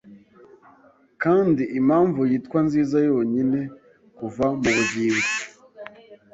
kandi impamvu yitwa Nziza yonyine kuva Mubugingo